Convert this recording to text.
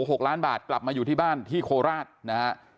หกล้านบาทกลับมาอยู่ที่บ้านที่โคราชนะฮะ